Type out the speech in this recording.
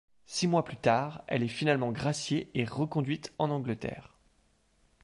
Six mois plus tard, elle est finalement graciée et reconduite en Angleterre.